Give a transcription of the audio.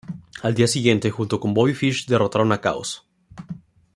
Al día siguiente, junto con Bobby Fish, derrotaron a Chaos.